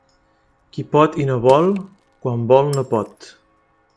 Qui pot i no vol, quan vol no pot.